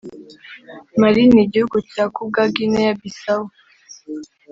Mali n’igihugu cya Ku bwa Guinea-Bissau